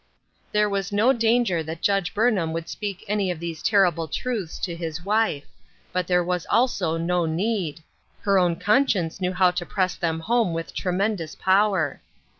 " There was no danger that Judge Burnham would speak any of these terrible truths to his wife ; but there was also no need ; her own conscience knew how to press them home with tremendous power.